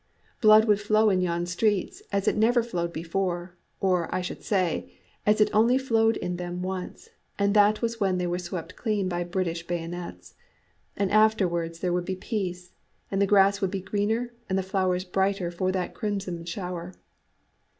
Blood would flow in yon streets as it never flowed before, or, I should say, as it only flowed in them once, and that was when they were swept clean by British bayonets. And afterwards there would be peace, and the grass would be greener and the flowers brighter for that crimson shower.